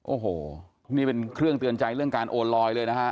โอ้โหนี่เป็นเครื่องเตือนใจเรื่องการโอนลอยเลยนะฮะ